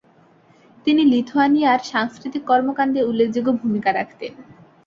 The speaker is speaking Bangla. তিনি লিথুয়ানিয়ার সাংস্কৃতিক কর্মকাণ্ডে উল্লেখযোগ্য ভূমিকা রাখতেন।